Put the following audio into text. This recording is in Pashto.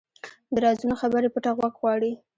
د رازونو خبرې پټه غوږ غواړي